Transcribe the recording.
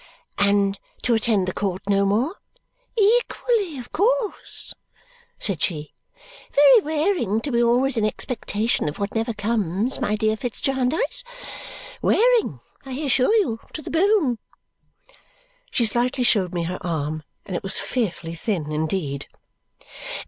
"And to attend the court no more?" "Equally of course," said she. "Very wearing to be always in expectation of what never comes, my dear Fitz Jarndyce! Wearing, I assure you, to the bone!" She slightly showed me her arm, and it was fearfully thin indeed.